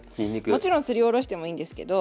もちろんすりおろしてもいいんですけど。